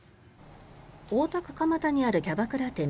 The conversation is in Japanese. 大田区蒲田にあるキャバクラ店